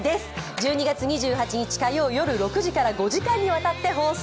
１２月２８日火曜夜６時から５時間にわたって放送。